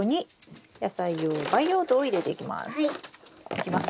いきます？